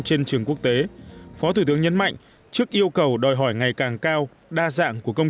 trên trường quốc tế phó thủ tướng nhấn mạnh trước yêu cầu đòi hỏi ngày càng cao đa dạng của công